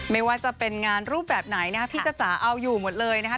ไม่ว่าจะเป็นงานรูปแบบไหนนะครับพี่จ้าจ๋าเอาอยู่หมดเลยนะคะ